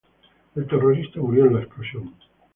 El terrorista murió en la explosión.